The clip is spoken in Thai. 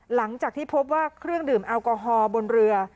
หลังจากที่พบว่าเครื่องดื่มแอลกอฮอล์บนเรือ